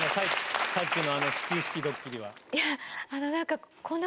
さっきの始球式ドッキリは。